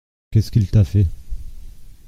Qu'est-ce qu'il t'a fait ?